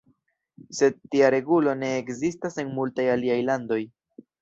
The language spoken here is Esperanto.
Sed tia regulo ne ekzistas en multaj aliaj landoj.